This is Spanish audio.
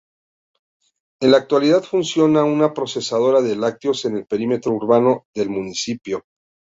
En la actualidad funciona una procesadora de lácteos en el perímetro urbano del Municipio.